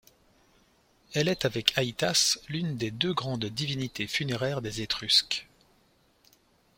Elle est avec Aitas l'une des deux grandes divinités funéraires des Étrusques.